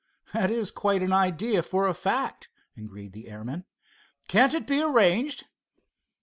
"That is quite an idea for a fact," agreed the airman. "Can't it be arranged?"